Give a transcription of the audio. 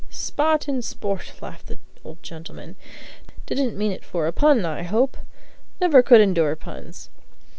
"Spot and sport!" laughed the old gentleman. "Didn't mean it for a pun, I hope? Never could endure puns!